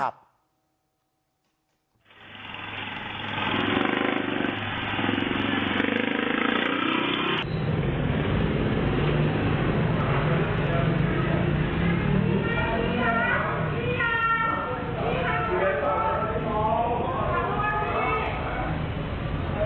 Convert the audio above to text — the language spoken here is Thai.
สาวพ่อพี่